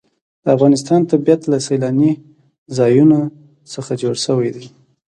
د افغانستان طبیعت له سیلانی ځایونه څخه جوړ شوی دی.